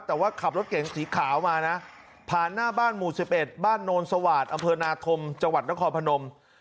แต่ว่าขับรถเก๋งสีขาวมานะผ่านหน้าบ้านหมู่๑๑บ้านโนนสวาสตร์อำเภอนาธมจังหวัดนครพนม